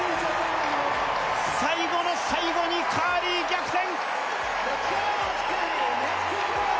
最後の最後にカーリー逆転